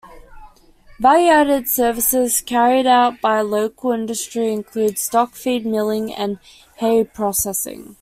Value-added services carried out by local industry include stock feed milling and hay processing.